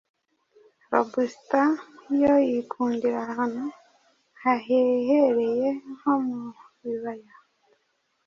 Robusita yo yikundira ahantu hahehereye nko mu bibaya